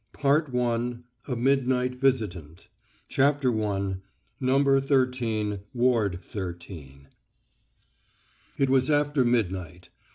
PART I. A MIDNIGHT VISITANT. I. NO. THIRTEEN, WARD THIRTEEN. IT was after midnight.